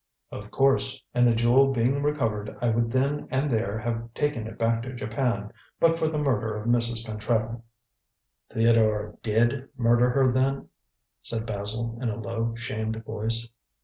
"Of course, and the jewel being recovered, I would then and there have taken it back to Japan, but for the murder of Mrs. Pentreddle." "Theodore did murder her, then?" said Basil in a low, shamed voice.